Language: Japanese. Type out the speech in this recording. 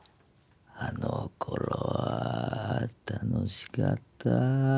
あのころは楽しかった。